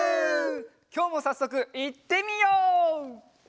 きょうもさっそくいってみよう！